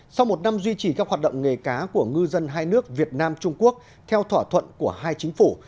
sau một năm duy trì các hoạt động nghề cá của ngư dân hai nước việt nam trung quốc theo thỏa thuận của hai chính phủ